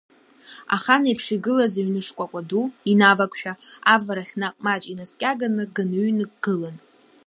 Ахан еиԥш игылаз аҩны шкәакәа ду инавакшәа, аварахь наҟ маҷк инаскьаганы, ганыҩнык гылан.